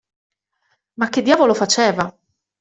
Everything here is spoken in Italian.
Ma che diavolo faceva.